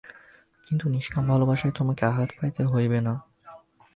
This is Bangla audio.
কিন্তু নিষ্কাম ভালবাসায় তোমাকে আঘাত পাইতে হইবে না।